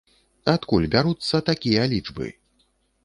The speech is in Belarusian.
Адкуль бяруцца такія лічбы?